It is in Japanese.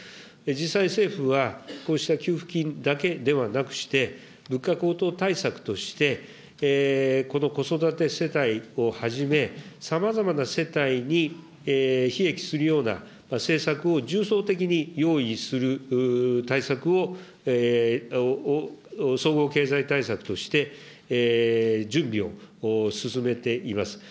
実際に政府は、こうした給付金だけではなくして、物価高騰対策として、この子育て世帯をはじめ、さまざまな世帯にひえきするような政策を重層的に用意する対策を、総合経済対策として準備を進めています。